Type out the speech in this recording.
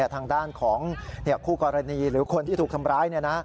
ทางด้านของคู่กรณีหรือคนที่ถูกทำร้าย